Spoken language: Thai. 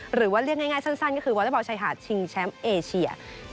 หรือว่าเรียกง่ายสั้นก็คือวอเล็กบอลชายหาดชิงแชมป์เอเชีย